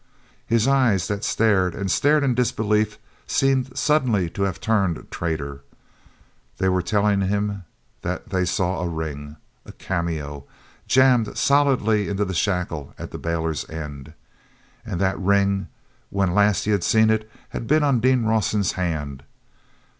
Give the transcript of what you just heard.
His eyes that stared and stared in disbelief seemed suddenly to have turned traitor. They were telling him that they saw a ring—a cameo—jammed solidly into the shackle at the bailer's end. And that ring, when last he had seen it, had been on Dean Rawson's hand!